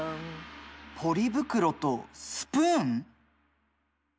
ポリ袋とスプーン？